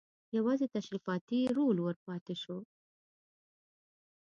یوازې تشریفاتي رول ور پاتې شو.